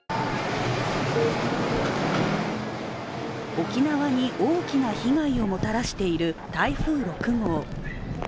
沖縄に大きな被害をもたらしている台風６号。